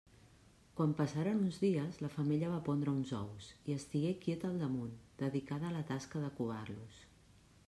Quan passaren uns dies, la femella va pondre uns ous i estigué quieta al damunt, dedicada a la tasca de covar-los.